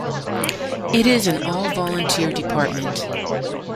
It is an all volunteer department.